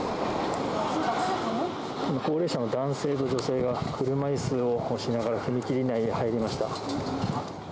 今、高齢者の男性と女性が、車いすを押しながら踏切内に入りました。